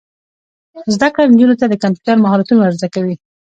زده کړه نجونو ته د کمپیوټر مهارتونه ور زده کوي.